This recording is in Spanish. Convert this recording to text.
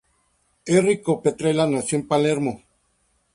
Errico Petrella nació en Palermo.